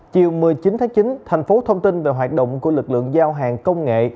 chiều một mươi chín tháng chín thành phố thông tin về hoạt động của lực lượng giao hàng công nghệ